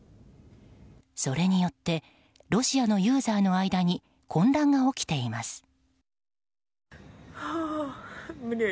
それによってロシアのユーザーの間に混乱が起きています。